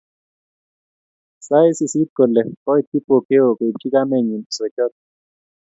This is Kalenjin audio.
Sait sisit kole, koit Kipokeo koibchi kamenyi isochot